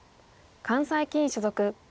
関西棋院所属。